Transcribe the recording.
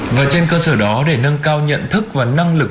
ngay trên cơ sở đó để nâng cao nhận thức và năng lực